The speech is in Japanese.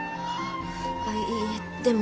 あいいえでも。